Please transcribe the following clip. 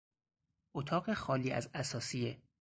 اتاق خالی از اثاثیه